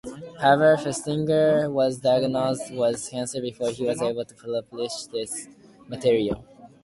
However, Festinger was diagnosed with cancer before he was able to publish this material.